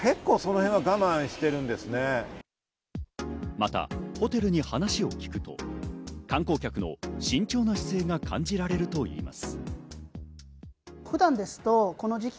またホテルに話を聞くと、観光客の慎重な姿勢が感じられるといいます。